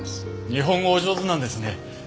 日本語お上手なんですね。